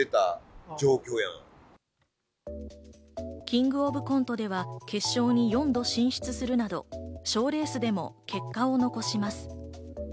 キングオブコントでは決勝に４度進出するなど、賞レースでも結果を残します。